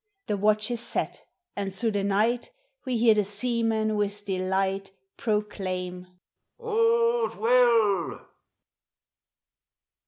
The watch is set, and through the night We hear the seamen with delight Proclaim.— < k All